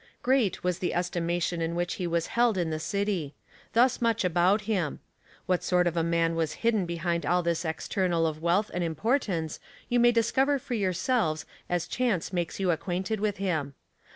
Great was the estimation in which he was held in the city. Thus much about him. What sort of a man was hidden behind all this external of wealth and importance you may dis cover for yourselves as chance makes you ac quainted with him.